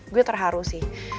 gue terharu sih